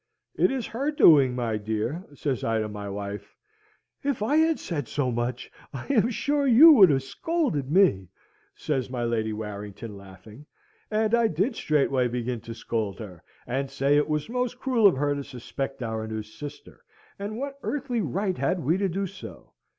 "It is her doing, my dear," says I to my wife. "If I had said so much, I am sure you would have scolded me," says my Lady Warrington, laughing: and I did straightway begin to scold her, and say it was most cruel of her to suspect our new sister; and what earthly right had we to do so?